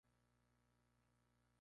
Tuvo el grado de Sargento Mayor.